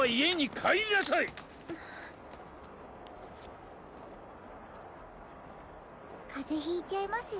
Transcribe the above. かぜひいちゃいますよ。